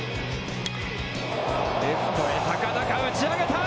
レフトに高々打ち上げた！